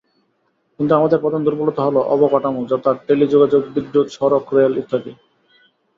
কিন্তু আমাদের প্রধান দুর্বলতা হলো অবকাঠামো যথা—টেলিযোগাযোগ, বিদ্যুৎ, সড়ক, রেল ইত্যাদি।